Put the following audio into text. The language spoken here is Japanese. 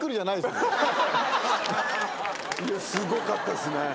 すごかったですね。